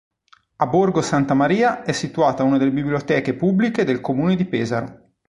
A Borgo Santa Maria è situata una delle biblioteche pubbliche del comune di Pesaro.